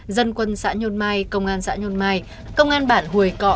dân quân xã nhôn mai công an xã nhôn mai công an bản hồi cọ